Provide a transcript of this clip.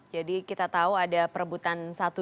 jadi kita tahu ada perebutan satu dua